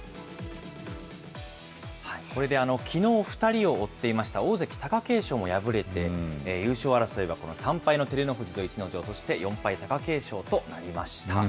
これで、きのう２人を追っていました大関・貴景勝も敗れているので、優勝争いは、３敗の照ノ富士と逸ノ城、そして４敗、貴景勝となりました。